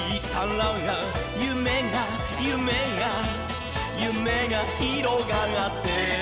「ゆめがゆめがゆめがひろがって」